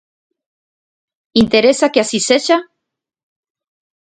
Interesa que así sexa?